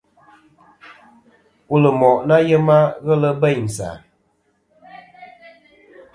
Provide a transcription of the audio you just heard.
Wul ɨ moʼ ɨ nà yema, ghelɨ bêynsì a.